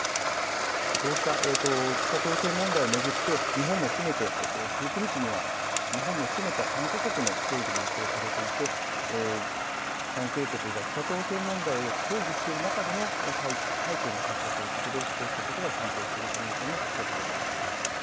こうした北朝鮮問題を巡って日本も含めて１９日には日本も含めた３か国の協議も予定されていて関係国が北朝鮮問題を協議している中での、最中での発射ということでこうしたことが関係している可能性もあると見られます。